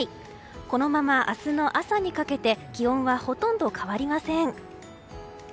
このまま明日の朝にかけて気温はほとんど変わりません。